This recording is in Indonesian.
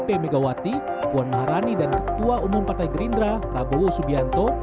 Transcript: p megawati puan maharani dan ketua umum partai gerindra prabowo subianto